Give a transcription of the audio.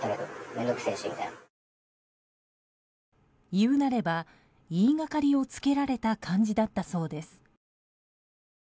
いうなれば、言いがかりをつけられた感じだったそうです。